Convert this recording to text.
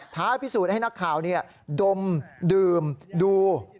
พิสูจน์ให้นักข่าวดมดื่มดู